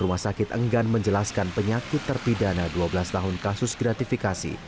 rumah sakit enggan menjelaskan penyakit terpidana dua belas tahun kasus gratifikasi